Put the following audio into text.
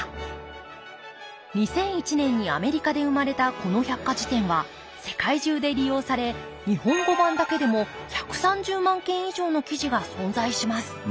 ２００１年にアメリカで生まれたこの百科事典は世界中で利用され日本語版だけでも１３０万件以上の記事が存在します